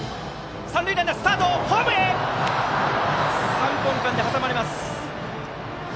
三本間で挟まれます。